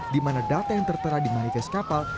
dimana data yang tertera di manifestasi